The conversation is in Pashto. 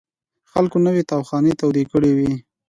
خلکو نوې تاوخانې تودې کړې وې.